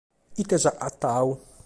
Ite as agatadu?